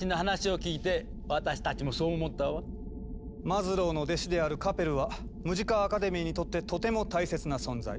マズローの弟子であるカペルはムジカ・アカデミーにとってとても大切な存在。